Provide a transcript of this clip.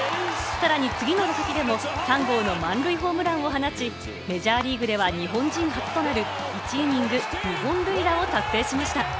さらに次の打席でも３号の満塁ホームランを放ち、メジャーリーグでは日本人初となる１イニング２本塁打を達成しました。